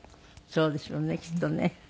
そうですよねきっとね。